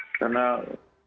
dia benar benar orang yang